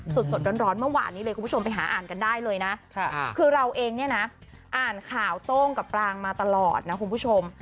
สดร้อนเมื่อวานนี้เลยคุณผู้ชมไปหาอ่านกันได้เลยนะคือเราเองเนี่ยนะอ่านข่าวโต้งกับปรางมาตลอดนะคุณผู้ชม